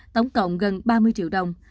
tổng cộng gần ba mươi triệu đồng